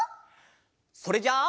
それじゃあせの。